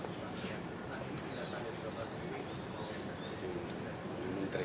tidak ada di bawah sendiri